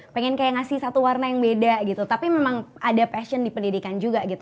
pengen kayak ngasih satu warna yang beda gitu tapi memang ada passion di pendidikan juga gitu